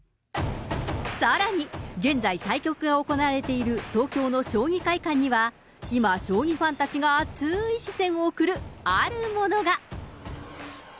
さらに、現在、対局が行われている東京の将棋会館には、今、将棋ファンたちが熱ーい視線を送る、あるものが。